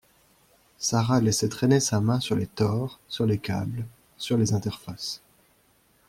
Sara laissait traîner sa main sur les tores, sur les câbles, sur les interfaces